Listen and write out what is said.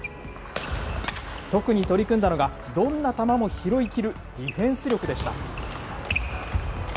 特に取り組んだのが、どんな球も拾いきるディフェンス力でした。